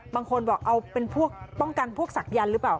บางคนบอกเอาเป็นพวกป้องกันพวกศักยันต์หรือเปล่า